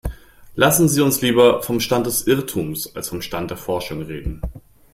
Lassen Sie uns lieber vom Stand des Irrtums als vom Stand der Forschung reden.